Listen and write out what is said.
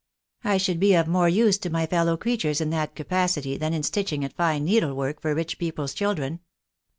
I should be of more use to my fellow creatures in that capacity than in stitching at fine needlework for rich people's children."